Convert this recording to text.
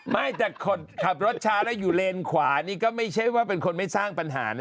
ไม่แต่คนขับรถช้าแล้วอยู่เลนขวานี่ก็ไม่ใช่ว่าเป็นคนไม่สร้างปัญหานะ